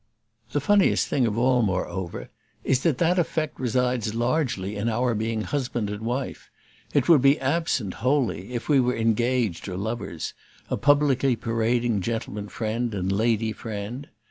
The funniest thing of all, moreover, is that that effect resides largely in our being husband and wife it would be absent, wholly, if we were engaged or lovers; a publicly parading gentleman friend and lady friend.